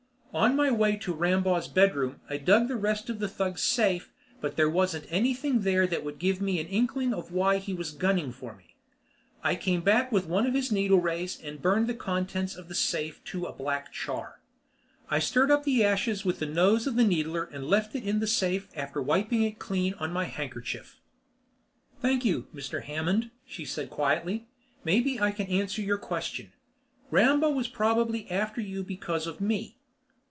On my way to Rambaugh's bedroom I dug the rest of the thug's safe but there wasn't anything there that would give me an inkling of why he was gunning for me. I came back with one of his needle rays and burned the contents of the safe to a black char. I stirred up the ashes with the nose of the needier and then left it in the safe after wiping it clean on my handkerchief. "Thank you, Mr. Hammond," she said quietly. "Maybe I can answer your question. Rambaugh was probably after you because of me."